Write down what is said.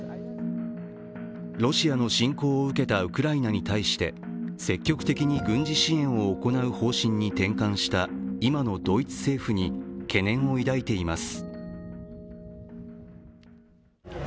ロシアの侵攻を受けたウクライナに対して積極的に軍事支援を行う方針に転換した今のドイツ政府に懸念を抱いています。